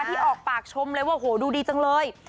ที่ออกปากชมเลยว่าโหดูดีจังเลย